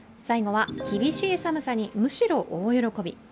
最後は、厳しい寒さにむしろ大喜び。